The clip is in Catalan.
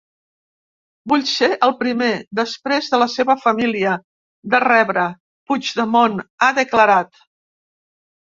Vull ser el primer, després de la seva família, de rebre Puigdemont, ha declarat.